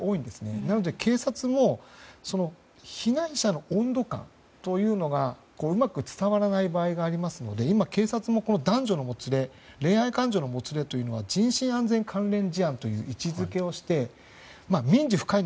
なので警察も被害者の温度感というのがうまく伝わらない場合があるので警察も男女のもつれ恋愛感情のもつれというのは人身安全関連事案という位置づけをして民事介入